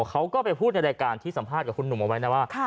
เขาก็ไปพูดในรายการที่สัมภาษณ์กับคุณหนุ่มเอาไว้นะว่า